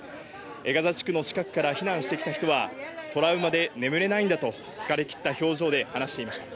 ガザ地区の近くから避難してきた人は、トラウマで眠れないんだと、疲れ切った表情で話していました。